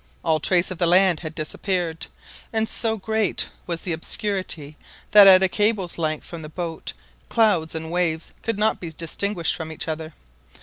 All trace of the land had disappeared, and so great was the obscurity that at a cable's length from the boat clouds and waves could not be distinguished from each other.